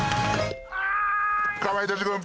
かまいたち軍。